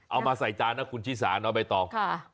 เอามาใส่จานเอาคุณชิสารเอายังไงต่อ